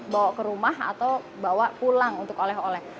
bawa ke rumah atau bawa pulang untuk oleh oleh